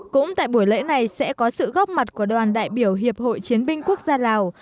cũng tại buổi lễ này sẽ có sự góp mặt của đoàn đại biểu hiệp hội chiến binh quốc gia lào